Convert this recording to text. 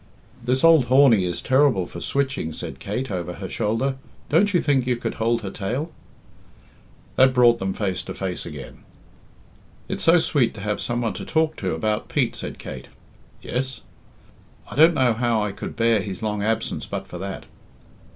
"This old Horney is terrible for switching," said Kate, over her shoulder. "Don't you think you could hold her tail?" That brought them face to face again. "It's so sweet to have some one to talk to about Pete," said Kate. "Yes?" "I don't know how I could bear his long absence but for that."